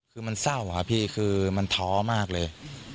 คือมันเศร้าอะพี่คือมันท้อมากเลย